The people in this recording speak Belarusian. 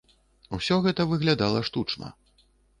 Усё гэта выглядала штучна.